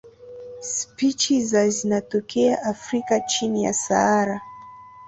Spishi za zinatokea Afrika chini ya Sahara.